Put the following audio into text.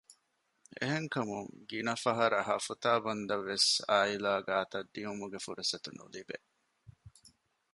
އެހެން ކަމުން ގިނަ ފަހަރަށް ހަފުތާ ބަންދަށް ވެސް އާއިލާ ގާތަށް ދިއުމުގެ ފުރުސަތެއް ނުލިބޭ